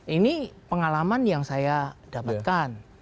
ini pengalaman yang saya dapatkan